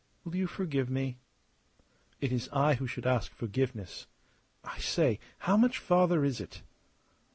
Will you forgive me?" "It is I who should ask forgiveness. I say, how much farther is it?"